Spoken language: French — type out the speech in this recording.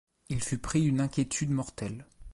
Il fut pris d’une inquiétude mortelle.